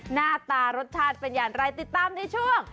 หน้าตารสชาติเป็นอย่างไรติดตามในช่วง